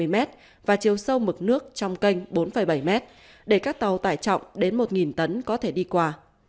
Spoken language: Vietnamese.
tám mươi một trăm hai mươi m và chiều sâu mực nước trong canh bốn bảy m để các tàu tải trọng đến một tấn có thể đi qua